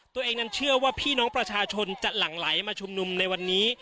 ตัวเองนั้นเชื่อว่าพี่น้องประชาชนจะหลั่งไหลมาชุมนุมในวันนี้